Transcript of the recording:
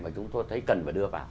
mà chúng tôi thấy cần phải đưa vào